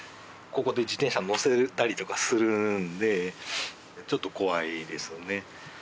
ここで自転車に乗せたりとかするんでちょっと怖いですよね。